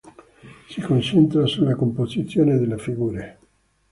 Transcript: Si concentra sulla composizione delle figure.